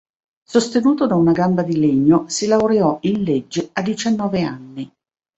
Sostenuto da una gamba di legno, si laureò in legge a diciannove anni.